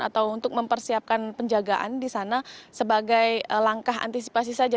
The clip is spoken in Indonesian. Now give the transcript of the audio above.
atau untuk mempersiapkan penjagaan di sana sebagai langkah antisipasi saja